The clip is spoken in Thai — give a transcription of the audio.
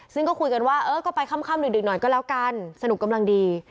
ซึ่งก็คุยกันว่าเออก็ไปค่ำดึกหน่อยก็แล้วกันสนุกกำลังดี